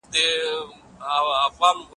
له خپلو حقوقو څخه سمه استفاده وکړئ.